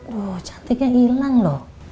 duh cantiknya ilang loh